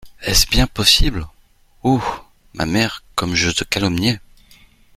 Est-ce bien possible ! oh ! ma mère, Comme je te calomniais !